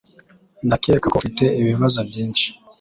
Ndakeka ko ufite ibibazo byinshi